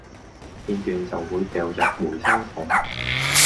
片段就會掉入回收桶